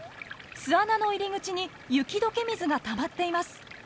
巣穴の入り口に雪解け水がたまっています。